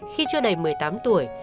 khi chưa đầy một mươi tám tuổi